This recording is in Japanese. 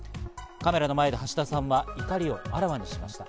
カメラの前で橋田さんは怒りをあらわにしました。